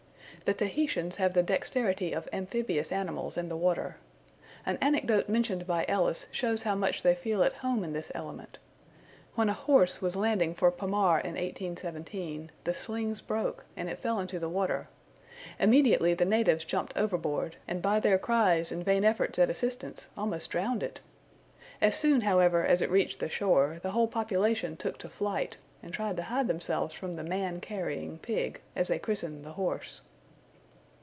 The Tahitians have the dexterity of amphibious animals in the water. An anecdote mentioned by Ellis shows how much they feel at home in this element. When a horse was landing for Pomarre in 1817, the slings broke, and it fell into the water; immediately the natives jumped overboard, and by their cries and vain efforts at assistance almost drowned it. As soon, however, as it reached the shore, the whole population took to flight, and tried to hide themselves from the man carrying pig, as they christened the horse.